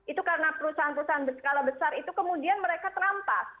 itu karena perusahaan perusahaan berskala besar itu kemudian mereka terampas